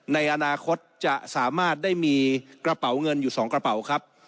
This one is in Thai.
ในอนาคตจะสามารถได้มีกระเป๋าเงินอยู่๒กระเป๋าครับ